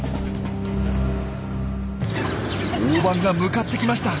オオバンが向かってきました。